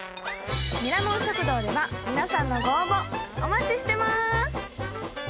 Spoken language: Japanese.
ミラモン食堂では皆さんのご応募お待ちしてます！